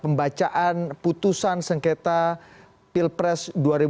pembacaan putusan sengketa pilpres dua ribu sembilan belas